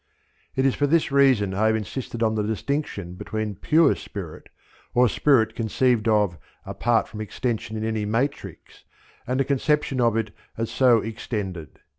It is for this reason I have insisted on the distinction between pure spirit, or spirit conceived of apart from extension in any matrix and the conception of it as so extended.